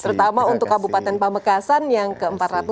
terutama untuk kabupaten pamekasan yang ke empat ratus lima puluh